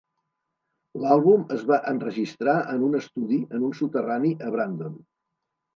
L'àlbum es va enregistrar en un estudi en un soterrani a Brandon.